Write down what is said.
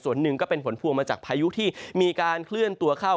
ส่วนหนึ่งก็เป็นผลพวงมาจากพายุที่มีการเคลื่อนตัวเข้า